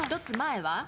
１つ前は？